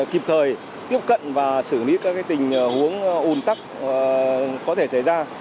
kịp thời tiếp cận và xử lý các tình huống ủn tắc có thể xảy ra